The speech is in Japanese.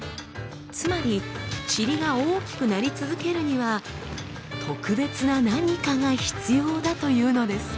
つまりチリが大きくなり続けるには特別な何かが必要だというのです。